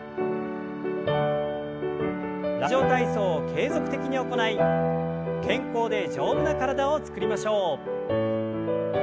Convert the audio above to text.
「ラジオ体操」を継続的に行い健康で丈夫な体を作りましょう。